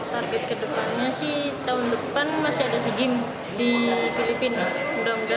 target kedepannya sih tahun depan masih ada sea games di filipina